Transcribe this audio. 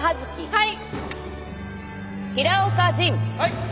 はい。